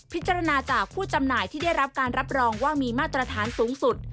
พิจารณาจากผู้จำหน่ายที่ได้รับการรับรองว่ามีมาตรฐานสูงสุด